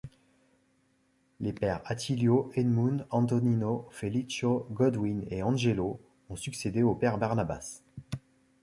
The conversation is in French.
Les pères Attilio, Edmund, Antonino, Felicio, Godwin et Angelo ont succédé au père Barnabas.